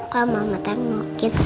kalau mama teng mungkin